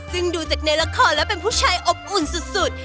ซึ่งดูจากในละครแล้วเป็นผู้ชายอบอุ่นสุด